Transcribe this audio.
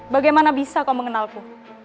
bagaimana bisa kau mengenaliku